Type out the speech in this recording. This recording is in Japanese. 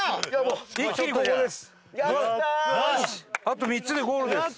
あと３つでゴールです。